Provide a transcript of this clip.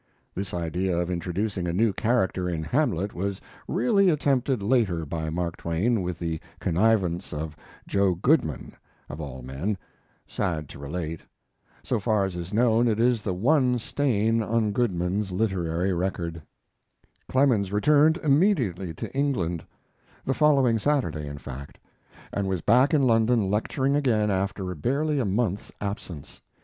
[This idea of introducing a new character in Hamlet was really attempted later by Mark Twain, with the connivance of Joe Goodman [of all men], sad to relate. So far as is known it is the one stain on Goodman's literary record.] Clemens returned immediately to England the following Saturday, in fact and was back in London lecturing again after barely a month's absence.